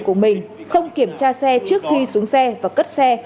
của mình không kiểm tra xe trước khi xuống xe và cất xe